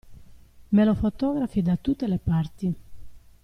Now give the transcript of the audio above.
Me lo fotografi da tutte le parti!